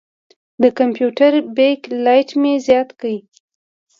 د کمپیوټر بیک لایټ مې زیات کړ.